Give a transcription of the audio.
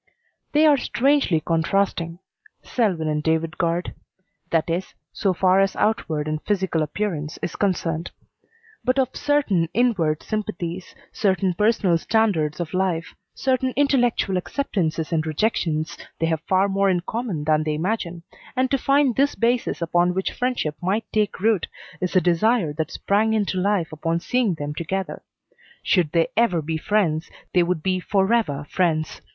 They are strangely contrasting Selwyn and David Guard. That is, so far as outward and physical appearance is concerned. But of certain inward sympathies, certain personal standards of life, certain intellectual acceptances and rejections, they have far more in common than they imagine, and to find this basis upon which friendship might take root is a desire that sprang into life upon seeing them together. Should they ever be friends, they would be forever friends.